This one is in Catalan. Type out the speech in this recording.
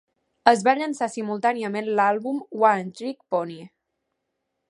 Es va llançar simultàniament l'àlbum "One-Trick Pony".